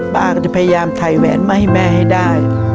ป้าก็จะพยายามถ่ายแหวนมาให้แม่ให้ได้